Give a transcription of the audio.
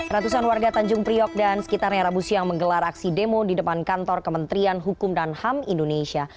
ratusan warga tanjung priok dan sekitarnya rabu siang menggelar aksi demo di depan kantor kementerian hukum dan ham indonesia